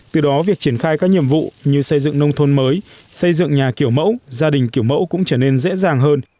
từ đó việc triển khai các nhiệm vụ như xây dựng nông thôn mới xây dựng nhà kiểu mẫu gia đình kiểu mẫu cũng trở nên dễ dàng hơn